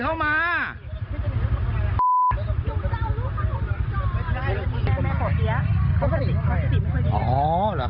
กระทั่งตำรวจก็มาด้วยนะคะ